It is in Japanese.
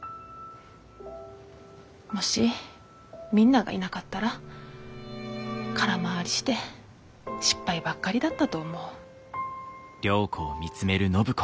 もしみんながいなかったら空回りして失敗ばっかりだったと思う。